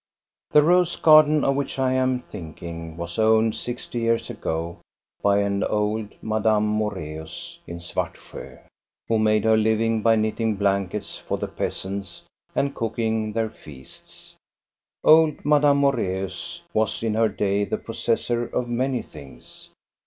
The rose garden of which I am thinking was owned sixty years ago by an old Madame Moreus in Svartsjo, who made her living by knitting blankets for the peasants and cooking their feists. Old Madame Moreus was in her day the possessor of many things.